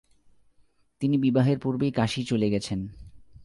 তিনি বিবাহের পূর্বেই কাশী চলে গেছেন।